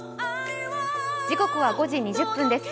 時刻は５時２０分です。